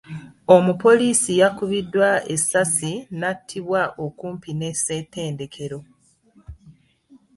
Omupoliisi yakubiddwa essasi n'atttibwa okumpi ne Ssettendekero.